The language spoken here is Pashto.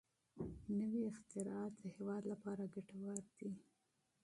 نوي اختراعات د هېواد لپاره ګټور دي.